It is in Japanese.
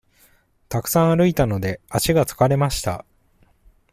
たくさん歩いたので、足が疲れました。